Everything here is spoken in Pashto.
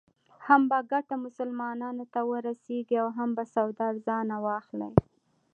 هم به ګټه مسلمانانو ته ورسېږي او هم به سودا ارزانه واخلې.